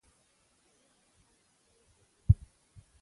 طبیعت د انسان اړتیاوې پوره کوي